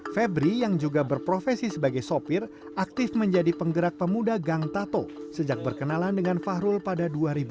febri yang juga berprofesi sebagai sopir aktif menjadi penggerak pemuda gang tato sejak berkenalan dengan fahrul pada dua ribu dua